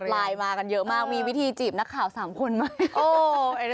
ไลน์มากันเยอะมากมีวิธีจีบนักข่าว๓คนไหม